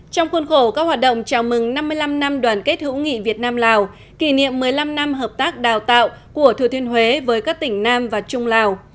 trong khuôn khổ các hoạt động chào mừng năm mươi năm năm đoàn kết hữu nghị việt nam lào kỷ niệm một mươi năm năm hợp tác đào tạo của thừa thiên huế với các tỉnh nam và trung lào